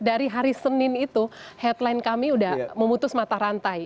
dari hari senin itu headline kami sudah memutus mata rantai